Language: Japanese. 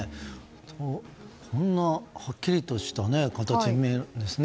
こんなはっきりとした形で見えるんですね。